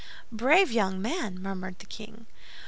"Brave young man!" murmured the king.